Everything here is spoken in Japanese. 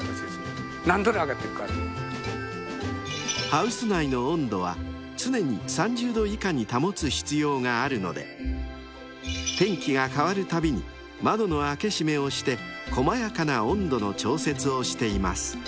［ハウス内の温度は常に３０℃以下に保つ必要があるので天気が変わるたびに窓の開け閉めをして細やかな温度の調節をしています］